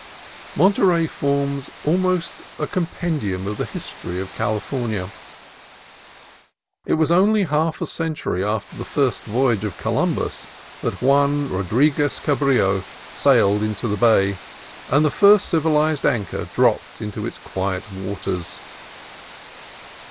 Monterey forms almost a compendium of the his tory of California. It was only half a century after the first voyage of Columbus that Juan Rodriguez Cabrillo sailed into the bay, and the first civilized anchor dropped into its quiet waters.